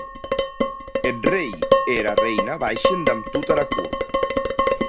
Eth rei e era reina baishen damb tota era cort.